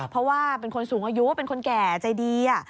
เพราะว่าเป็นคนสูงอายุเป็นคนแก่ใจดี